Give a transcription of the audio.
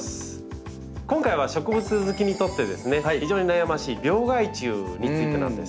今回は植物好きにとってですね非常に悩ましい病害虫についてなんです。